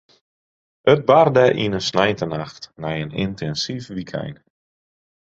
It barde yn in sneintenacht nei in yntinsyf wykein.